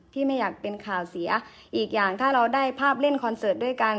ไม่อยากเป็นข่าวเสียอีกอย่างถ้าเราได้ภาพเล่นคอนเสิร์ตด้วยกัน